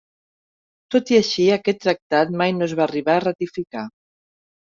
Tot i així, aquest tractat mai no es va arribar a ratificar.